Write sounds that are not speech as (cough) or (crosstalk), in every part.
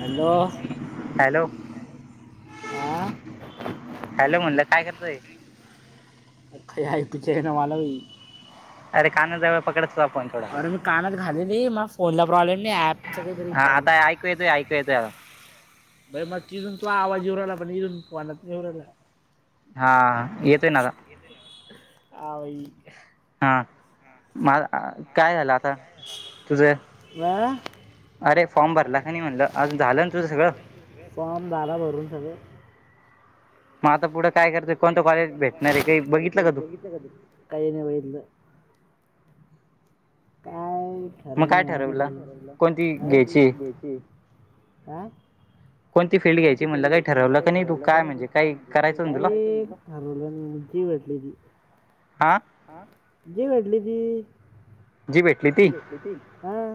Hello हां. Hello म्हणलं काय करतोय? काय ऐकूच येईना मला अरे कानाजवळ पकड तुझा फोन थोडासा, हां आता ऐकू येतोय ऐकू ये तोय भाई मग तिथून तुझा आवाज येऊ राहिला, पण इथून फोनात नाय येऊ राहिला. हां येतोय ना आता? हां भाई. हां म काय झालं आता तुझं? अरे फॉर्म भरला का नाही म्हणलं, अजून झालं ना तुझं सगळं? फॉर्म झाला भरून सगळं. मग आता पुढं काय करतोय? कोणतं कॉलेज भेटणार आहे काही बघितलं का तू? बघितले का तू? काही नाही बघितलं. काय ठरवलं नाही अजून, हां? कोणती फिल्ड घ्यायची म्हणल? काही ठरवलं का नाही तू काय म्हणजे काही? ठरवलं नाही, जी भेटली ती. आं जी भेटली ती, हां.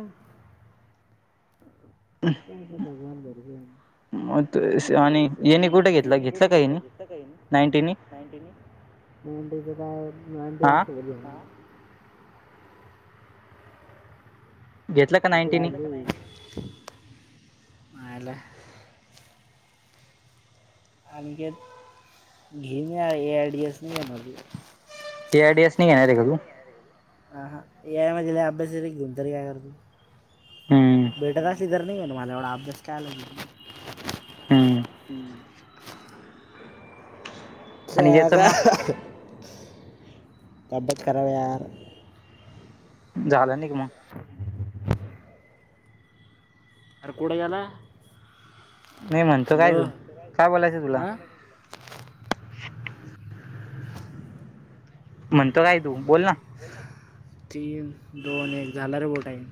काय आता भगवान (inaudible) म आणि याने कुठे घेतला? घेतलं का ह्यानी नाईंटीनी? मुंबईचं काय नाईंटी माझ्यासोबत (inaudible) किती (unintelligible) मायला. अनिकेत (inaudible) (unintelligible) एआईडीएस हां हां एआई मध्ये लई अभ्यास आहे घेऊन तरी काय करू? भेटत असली तरी नाही घेणार, माझा एवढा अभ्यास काय करायला (unintelligible) हम्म. जाका तब्येत खराबय यार. झालं नाही की मग (inaudible) अरं कुडं गेला. नाही म्हणतो काय तू, काय बोलायचं तुला? रठथ म्हणतो काय तू, बोल ना. तीन दोन एक झाला रे भाऊ टाइम.